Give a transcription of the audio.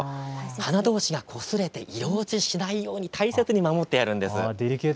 花どうしがこすれて色落ちしないように大切に守ってやるんです。